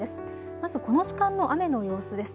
まずこの時間の雨の様子です。